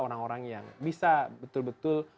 orang orang yang bisa betul betul